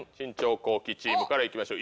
公記チームから行きましょう。